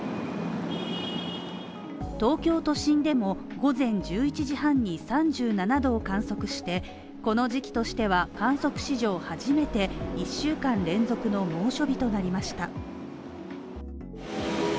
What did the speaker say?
東京都心でも、午前１１時半に３７度を観測してこの時期としては観測史上初めて１週間連続の猛暑日となりました。